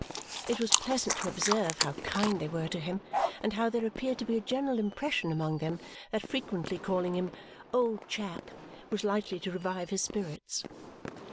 It was pleasant to observe how kind they were to him and how there appeared to be a general impression among them that frequently calling him "Old Chap" was likely to revive his spirits.